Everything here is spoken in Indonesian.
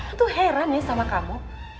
kamu tuh heran ya sama kamu